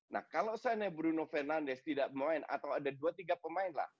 nah kalau seandainya bruno fernandes tidak main atau ada dua tiga pemain lah